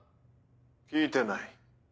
聞いてない。